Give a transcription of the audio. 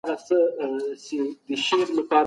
مسواک وهل سنت دي.